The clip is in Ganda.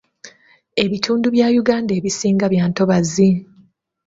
Ebitundu bya Uganda ebisinga bya ntobazi.